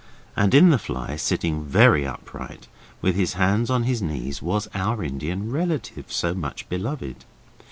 And in the fly, sitting very upright, with his hands on his knees, was our Indian relative so much beloved.